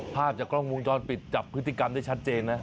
ภาพจากกล้องวงจรปิดจับพฤติกรรมได้ชัดเจนนะ